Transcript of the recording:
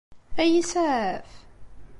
Ad iyi-isaɛef?